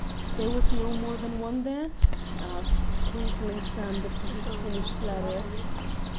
"There was no more than one there?" he asked, sprinkling sand upon his finished letter.